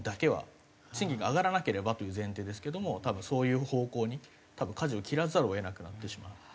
賃金が上がらなければという前提ですけども多分そういう方向に舵を切らざるを得なくなってしまう。